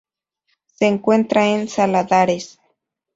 Se encuentra en saladares.